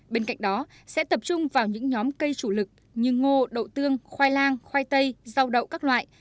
bên cạnh đó sẽ tập trung vào những nhóm cây chủ lực như ngô đậu tương khoai lang khoai tây rau đậu các loại